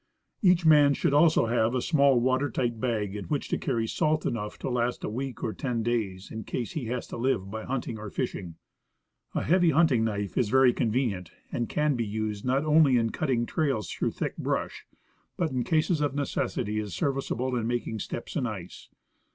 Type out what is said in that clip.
Each man should also have a small water tight bag in which to carry salt enough to last a week or ten days, in case he has to live by hunting or fishing. A heavy hunting knife is very convenient, and can be used not only in cutting trails through thick brush, but in cases of necessity is serviceable in making steps in ice.